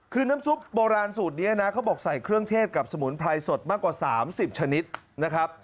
คือน้ำซุปโบราณสูตรนี้นะเขาบอกใส่เครื่องเทศกับสมุนไพรสดมากกว่า๓๐ชนิดนะครับ